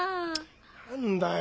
何だよ